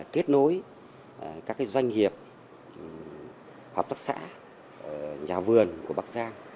kết nối các doanh nghiệp hợp tác xã nhà vườn của bắc giang